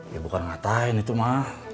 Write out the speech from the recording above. ya bukan ngatain itu mah